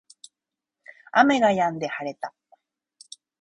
雨が止んで晴れた